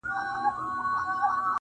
اوس له دي بوډۍ لکړي چاته په فریاد سمه -